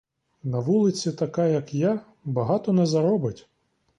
На вулиці така, як я, багато не заробить.